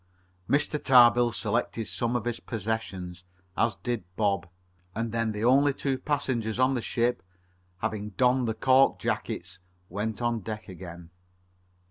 Mr. Tarbill selected some of his possessions, as did Bob, and then the only two passengers on the ship, having donned the cork jackets, went on deck again.